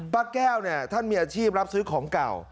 พระแก้วเนี่ยท่านมีอาชีพรับซื้อของเก่า